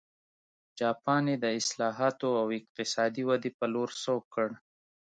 جاپان یې د اصلاحاتو او اقتصادي ودې په لور سوق کړ.